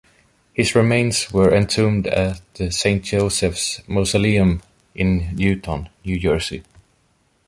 His remains were entombed at Saint Joseph's Mausoleum in Newton, New Jersey.